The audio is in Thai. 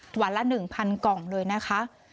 วันละ๑๐๐กล่องเลยนะคะ